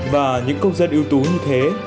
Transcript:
và những công dân ưu tú như thế